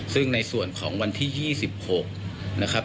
ซึ่งในส่วนของวันที่๒๖นะครับ